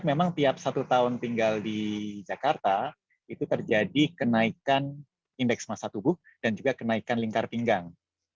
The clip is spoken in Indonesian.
memang tiap satu tahun tinggal di jakarta itu terjadi kenaikan indeks masa tubuh dan juga kenaikan lingkar pinggang